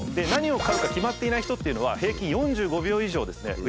何を買うか決まっていない人っていうのは平均４５秒以上ですね